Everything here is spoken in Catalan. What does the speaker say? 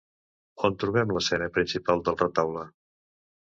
On trobem l'escena principal del retaule?